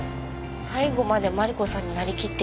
最後までマリコさんになりきってるし。